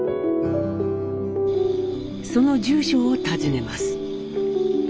その住所を訪ねます。